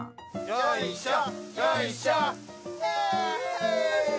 よいしょ！